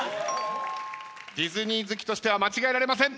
ディズニー好きとしては間違えられません。